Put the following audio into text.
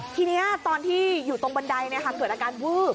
ทีนี้ตอนที่อยู่ตรงบันไดเกิดอาการวืบ